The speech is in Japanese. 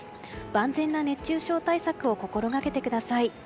万全な熱中症対策を心掛けてください。